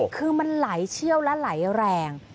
คือมันไหลเชี่ยวและไหลแรง